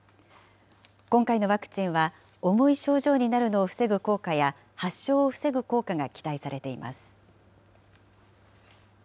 今回のワクチンは、重い症状になるのを防ぐ効果や、発症を防ぐ効果が期待されています。